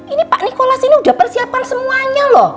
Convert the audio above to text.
ini pak nikolas ini udah persiapkan semuanya loh